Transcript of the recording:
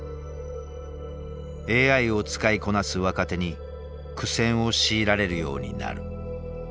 ＡＩを使いこなす若手に苦戦を強いられるようになる。